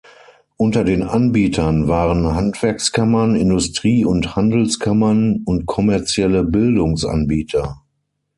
Unter den Anbietern waren Handwerkskammern, Industrie- und Handelskammern und kommerzielle Bildungsanbieter.